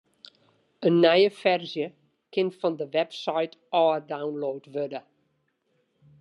In nije ferzje kin fan de website ôf download wurde.